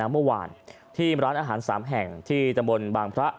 เมื่อวานที่ร้านอาหาร๓แห่งที่ตะบนบางพระ